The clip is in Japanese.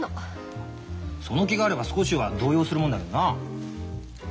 その気があれば少しは動揺するもんだけどなあ。